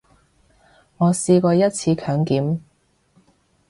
我試過一次強檢